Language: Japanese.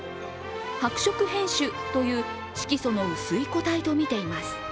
白色変種という、色素の薄い個体とみています。